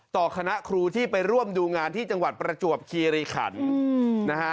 คณะครูที่ไปร่วมดูงานที่จังหวัดประจวบคีรีขันนะฮะ